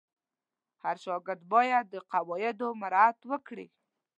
هر شاګرد باید د قواعدو مراعت وکړي.